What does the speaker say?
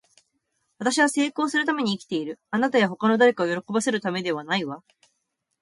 私は成功するために生きている。あなたや他の誰かを喜ばせるためではないわ。